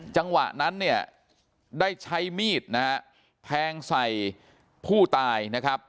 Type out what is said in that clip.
จังหวะนั้นเนี่ยได้ใช้มีดนะฮะแทงใส่ผู้ตายนะครับ